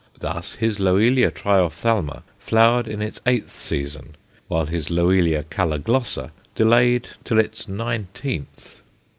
Thus his Loelia triophthalma flowered in its eighth season, whilst his Loelia caloglossa delayed till its nineteenth.